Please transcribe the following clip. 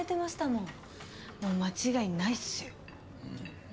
もう間違いないっすよ。